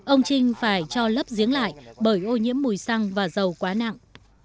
ông trình phải cho lấp diếng lại bởi ô nhiễm mùi xăng và dầu quá nặng